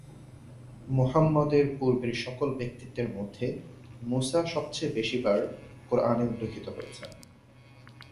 মুহাম্মদের পূর্বের সকল ব্যক্তিত্বের মধ্যে, মুসা সবচেয়ে বেশি বার কোরআনে উল্লেখিত হয়েছেন।